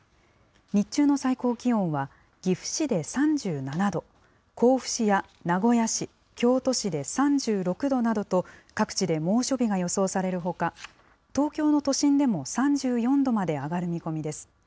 日中の最高気温は岐阜市で３７度、甲府市や名古屋市、京都市で３６度などと、各地で猛暑日が予想されるほか、東京の都心でも３４度まで上がる見込みです。